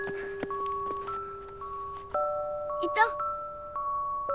いた！